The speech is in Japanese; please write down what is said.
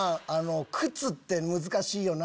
靴って難しいよな。